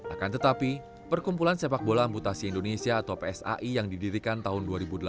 akan tetapi perkumpulan sepak bola amputasi indonesia atau psai yang didirikan tahun dua ribu delapan belas